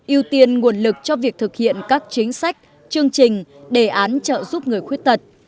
ưu tiên nguồn lực cho việc thực hiện các chính sách chương trình đề án trợ giúp người khuyết tật